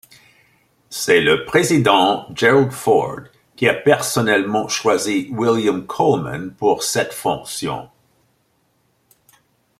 C'est le président Gerald Ford qui a personnellement choisi William Coleman pour cette fonction.